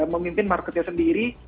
memimpin marketnya sendiri